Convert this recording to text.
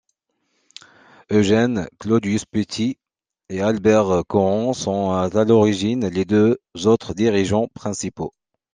Eugène Claudius-Petit et Albert Cohan sont, à l'origine, les deux autres dirigeants principaux.